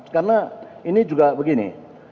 karena ini juga begini